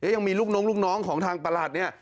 ยังมีลูกน้องของทางประหลาดเนี่ย